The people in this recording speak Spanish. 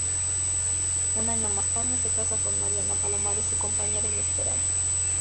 Un año más tarde, se casa con Mariana Palomares, su compañera inseparable.